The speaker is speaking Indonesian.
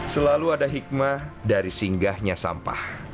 selalu ada hikmah dari singgahnya sampah